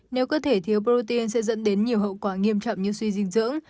nếu cơ thể thiếu protein sẽ dẫn đến nhiều hậu quả nghiêm trọng như suy dinh dưỡng